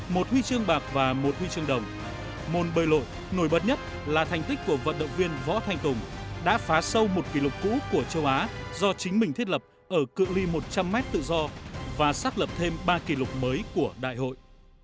môn bơi lội nổi bật nhất là thành tích của vận động viên võ thanh tùng đã phá sâu một kỷ lục cũ của châu á do chính mình thiết lập ở cự li một trăm linh m tự do và xác lập thêm ba kỷ lục mới của đại hội